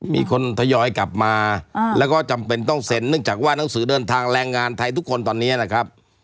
มีคนทยอยกลับมาแล้วก็จำเป็นต้องเซ็นเนื่องจากว่าหนังสือเดินทางแรงงานไทยทุกคนตอนนี้นะครับ